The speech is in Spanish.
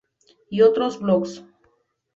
Y otros blogs.